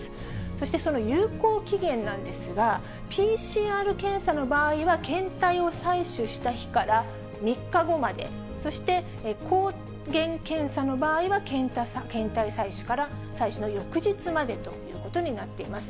そしてその有効期限なんですが、ＰＣＲ検査の場合は検体を採取した日から３日後まで、そして抗原検査の場合は、検体採取から採取の翌日までということになっています。